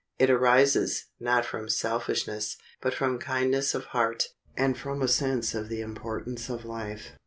It arises, not from selfishness, but from kindness of heart, and from a sense of the importance of life.